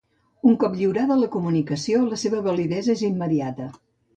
Un cop lliurada la comunicació, la seva validesa és immediata.